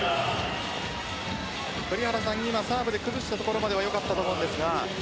今、サーブで崩したところまではよかったと思うんですが。